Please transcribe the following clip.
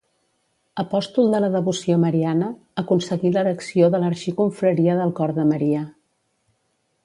Apòstol de la devoció mariana, aconseguí l'erecció de l'Arxiconfraria del Cor de Maria.